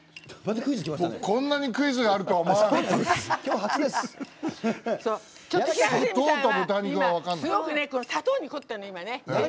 こんなにクイズあるとは思わなかったです。